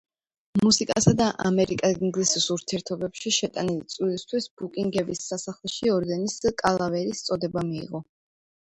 მუსიკასა და ამერიკა-ინგლისის ურთიერთობებში შეტანილი წვლილისთვის ბუკინგემის სასახლეში ორდენის კავალერის წოდება მიიღო.